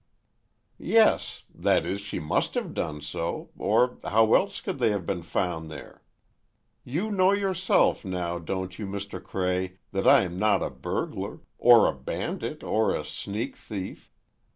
"Yes—that is, she must have done so, or—how else could they have been found there? You know yourself, now, don't you, Mr. Cray, that I'm not a burglar—or a bandit or a sneak thief?